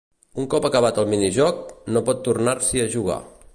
Un cop acabat el minijoc, no pot tornar-s'hi a jugar.